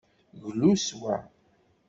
Glu s wa.